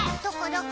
どこ？